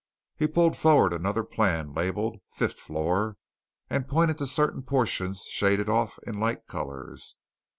He pulled forward another plan, labelled "Fifth Floor," and pointed to certain portions, shaded off in light colours.